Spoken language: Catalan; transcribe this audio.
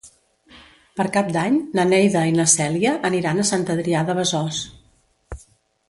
Per Cap d'Any na Neida i na Cèlia aniran a Sant Adrià de Besòs.